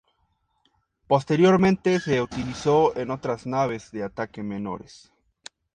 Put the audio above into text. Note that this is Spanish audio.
Posteriormente se utilizó en otras naves de ataque menores.